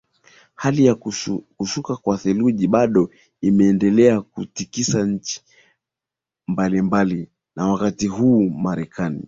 hali ya kushuka kwa theluji bado imeendelea kutikisa nchi mbalimbali na wakati huu marekani